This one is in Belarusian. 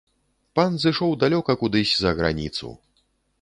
Пан зышоў далёка кудысь за граніцу!